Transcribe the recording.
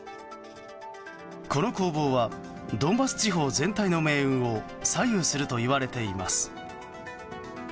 この攻防はドンバス地方全体の命運を左右するといわれています。